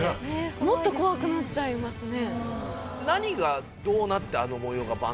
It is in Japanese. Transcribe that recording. もっと怖くなっちゃいますね。